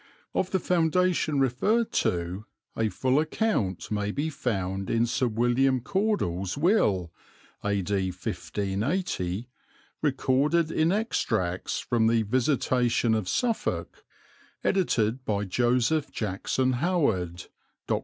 Of the foundation referred to a full account may be found in Sir William Cordell's will (A.D. 1580) recorded in extracts from the Visitation of Suffolk, edited by Joseph Jackson Howard, LL.